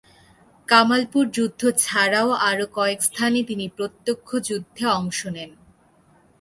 কামালপুর যুদ্ধ ছাড়াও আরও কয়েক স্থানে তিনি প্রত্যক্ষ যুদ্ধে অংশ নেন।